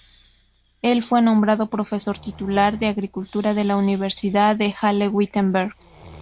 El fue nombrado profesor titular de Agricultura en la Universidad de Halle-Wittenberg.